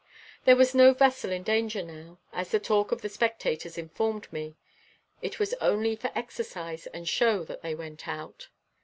There was no vessel in danger now, as the talk of the spectators informed me; it was only for exercise and show that they went out.